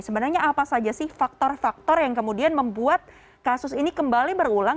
sebenarnya apa saja sih faktor faktor yang kemudian membuat kasus ini kembali berulang